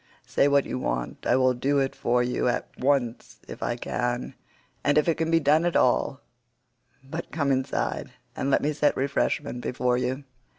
Say what you want; I will do it for you at once if I can, and if it can be done at all; but come inside, and let me set refreshment before you."